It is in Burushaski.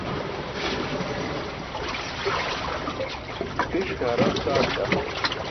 tiṣ ke haralt kaa bila